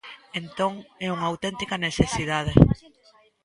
Entón, é unha auténtica necesidade.